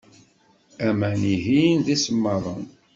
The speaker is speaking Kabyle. Aman-ihin d isemmaḍen.